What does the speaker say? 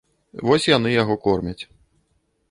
Вось яны яго кормяць.